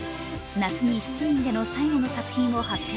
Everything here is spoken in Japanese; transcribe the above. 夏に７人での最後の作品を発表。